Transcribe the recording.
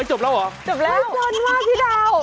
โอ๊ยจบแล้วเหรอจบแล้วจนมากพี่ดาว